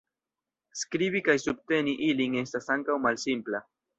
Skribi kaj subteni ilin estas ankaŭ malsimpla.